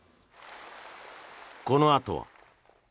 このあとは。